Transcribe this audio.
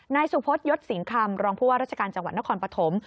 นายสุพศยศสิงคำรองผู้ว่าราชการจังหวัดนครปฐม